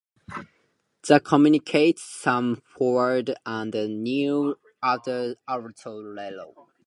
The communicants come forward and kneel at the altar rail.